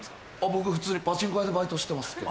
僕普通にパチンコ屋でバイトしてますけど。